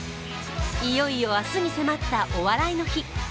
いよいよ明日に迫った「お笑いの日」。